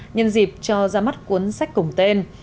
nhân dịp cho ra mắt cuốn sách cùng tên